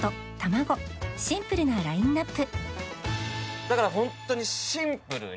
シンプルなラインアップ